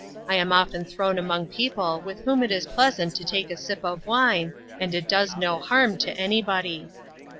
I am often thrown among people with whom it is pleasant to take a sip of wine, and it does no harm to anybody."